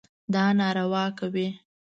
دا ناروا کوي.